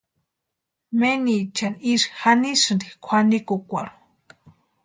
Menichani ísï janisïnti kwʼanikukwarhu.